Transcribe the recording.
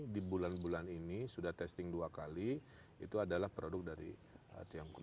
di bulan bulan ini sudah testing dua kali itu adalah produk dari tiongkok